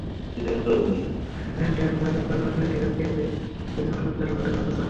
IOS ও অ্যান্ড্রয়েডে Microsoft Authenticator অ্যাপে নতুন এ অপশন চালু করেছ মাইক্রোসফট।